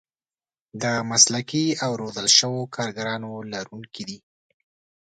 د مسلکي او روزل شوو کارګرانو لرونکي دي.